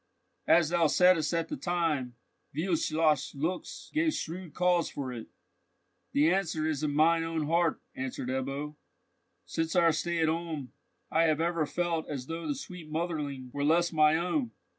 "As thou saidst at the time, Wildschloss's looks gave shrewd cause for it." "The answer is in mine own heart," answered Ebbo. "Since our stay at Ulm, I have ever felt as though the sweet motherling were less my own!